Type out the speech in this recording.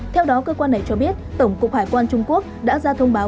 theo đó cơ quan này cho biết tổng cục hải quan trung quốc đã ra thông báo